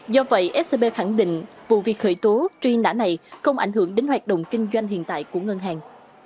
do vậy scb khẳng định vụ việc khởi tố truy nã này không ảnh hưởng đến hoạt động kinh doanh hiện tại của ngân hàng